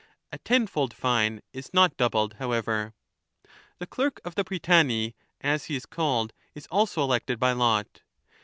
A ten fold fine is not doubled, however. The Clerk of the Prytany, as he is called, is also elected by lot.